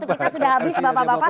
waktu kita sudah habis bapak bapak